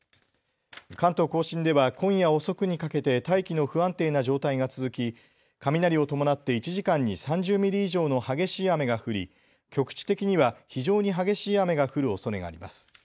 関東甲信では今夜遅くにかけて大気の不安定な状態が続き雷を伴って１時間に３０ミリ以上の激しい雨が降り局地的には非常に激しい雨が降るおそれがあります。